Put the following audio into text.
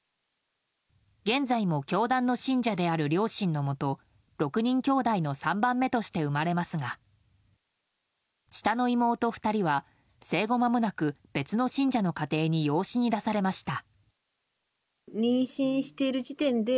現在も教団の信者である両親の元６人きょうだいの３番目として生まれますが下の妹２人は生後間もなく別の信者の家庭に養子に出されました。